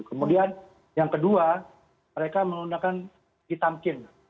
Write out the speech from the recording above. kemudian yang kedua mereka menggunakan kitamkin